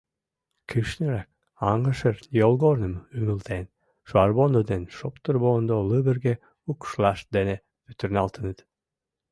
Кӱшнырак, аҥышыр йолгорным ӱмылтен, шуанвондо ден шоптырвондо лывырге укшлашт дене пӱтырналтыныт.